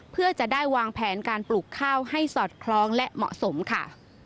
เพื่อจะได้วางแผนการปลูกข้าวให้สอดคล้องและเหมาะสมค่ะ